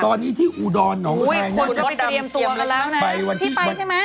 ตอนนี้ที่อูดอนอ๋อเวอร์ไทยจะไปไปวันที่พี่ไปใช่ไหม